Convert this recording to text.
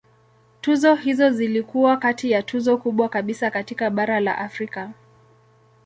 Tuzo hizo zilikuwa kati ya tuzo kubwa kabisa katika bara la Afrika.